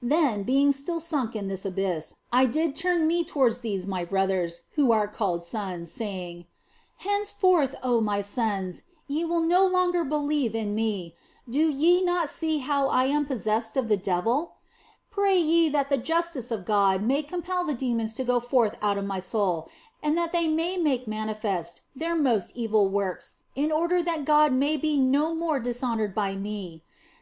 Then, being still sunk in this abyss, I did turn me towards these my brothers (who are called sons), saying :" Henceforth, oh my sons, ye will no longer believe in me ; do ye not see how that I am possessed of the devil ? Pray ye that the justice of God may compel the demons to go forth out of my soul, and that they may make mani fest their most evil works in order that God may be no 20 THE BLESSED ANGELA more dishonoured by me.